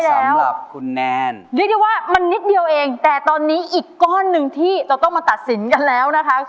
สำหรับคุณแนนเรียกได้ว่ามันนิดเดียวเองแต่ตอนนี้อีกก้อนหนึ่งที่จะต้องมาตัดสินกันแล้วนะคะ